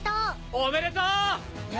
おめでとう！